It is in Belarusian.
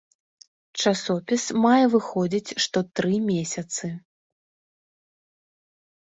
Часопіс мае выходзіць што тры месяцы.